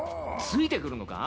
ついてくるのか？